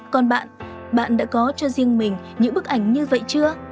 còn bạn bạn đã có cho riêng mình những bức ảnh như vậy chưa